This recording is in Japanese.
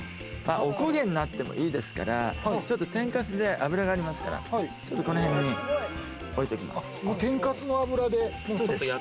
おこげになってもいいですから、ちょっと天かすで油がありますから、このへんに置いときます。